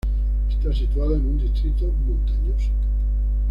Está situada en un distrito montañoso.